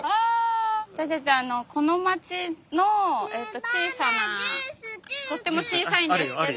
私たちこの町の小さなとっても小さいんですけど。